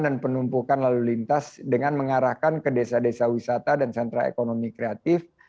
dan penumpukan lalu lintas dengan mengarahkan ke desa desa wisata dan sentra ekonomi kreatif